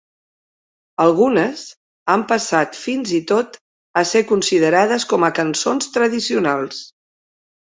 Algunes han passat fins i tot a ser considerades com a cançons tradicionals.